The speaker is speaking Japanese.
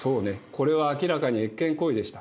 これは明らかに越権行為でした。